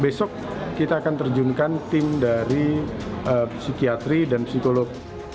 besok kita akan terjunkan tim dari psikiatri dan psikolog